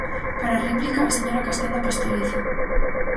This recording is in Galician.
Para a réplica, a señora Castenda Pastoriza.